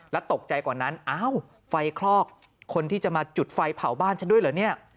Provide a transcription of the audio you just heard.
แล้วตกใจกว่านั้นอ้าวไฟคลอกคนที่จะมาจุดไฟเผาบ้านฉันด้วยเหรอเนี่ย